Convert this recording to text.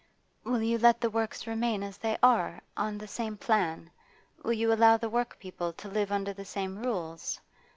'Will you let the works remain as they are, on the same plan? Will you allow the workpeople to live under the same rules?